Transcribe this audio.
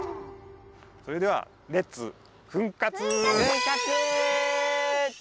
それではレッツ墳活。